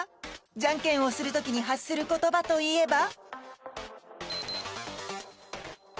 じゃんけんをする時に発する言葉といえば？